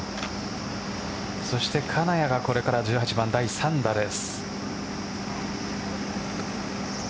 そして金谷がこれから１８番第３打です。